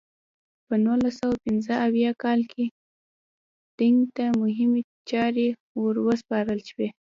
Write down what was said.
په نولس سوه پنځه اویا کال کې دینګ ته مهمې چارې ور وسپارل شوې.